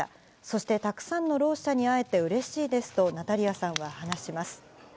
そして、たくさんのろう者に会えてうれしいですと、ナタリアさんは話します。